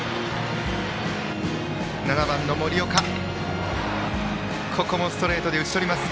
７番の森岡もストレートで打ち取られます。